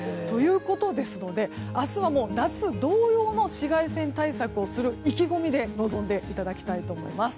ですので明日はもう夏同様の紫外線対策をする意気込みで臨んでいただきたいと思います。